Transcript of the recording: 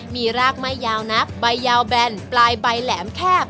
มีรากไม่ยาวนักใบยาวแบนปลายใบแหลมแคบ